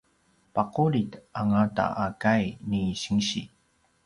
paqulid angata a kai ni sinsi